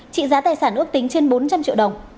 trị giá tài sản ước tính trên bốn trăm linh triệu đồng